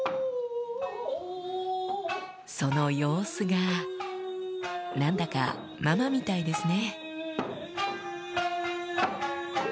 その様子が何だかママみたいですね